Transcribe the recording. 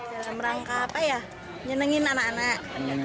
dalam rangka apa ya nyenengin anak anak